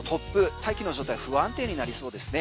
大気の状態不安定になりそうですね。